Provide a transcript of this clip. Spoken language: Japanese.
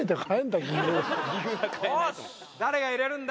誰が入れるんだ？